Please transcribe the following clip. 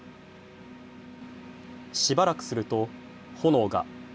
しばらくすると、炎が。